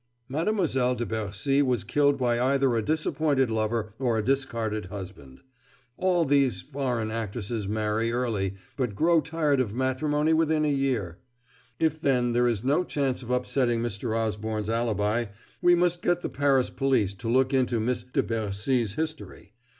"Mademoiselle de Bercy was killed by either a disappointed lover or a discarded husband. All these foreign actresses marry early, but grow tired of matrimony within a year. If, then, there is no chance of upsetting Mr. Osborne's alibi, we must get the Paris police to look into Miss de Bercy's history.